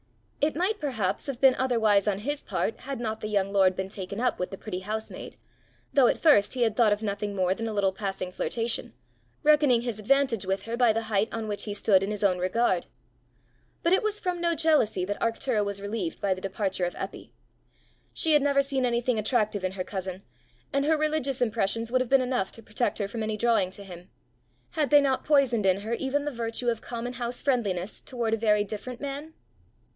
It might, perhaps, have been otherwise on his part had not the young lord been taken with the pretty housemaid, though at first he had thought of nothing more than a little passing flirtation, reckoning his advantage with her by the height on which he stood in his own regard; but it was from no jealousy that Arctura was relieved by the departure of Eppy. She had never seen anything attractive in her cousin, and her religious impressions would have been enough to protect her from any drawing to him: had they not poisoned in her even the virtue of common house friendliness toward a very different man?